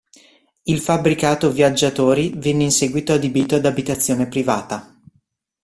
Il fabbricato viaggiatori venne in seguito adibito ad abitazione privata.